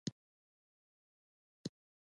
ویل یې له دغه مخامخ دروازه ووځه.